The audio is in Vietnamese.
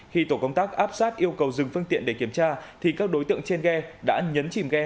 khi tổ công tác áp sát yêu cầu dừng phương tiện để kiểm tra thì các đối tượng trên ghe đã nhấn chìm ghe